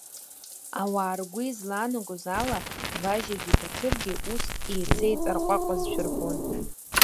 Ауаа, ргәы излаанагоз ала, Важьагьы Баҭыргьы уск еицеиҵарҟәаҟәазшәа рбон.